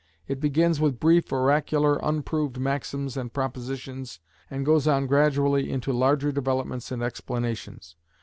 It begins with brief, oracular, unproved maxims and propositions, and goes on gradually into larger developments and explanations.